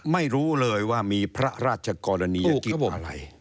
ไม่รู้เลยว่ามีพระราชกรณียกิจอะไร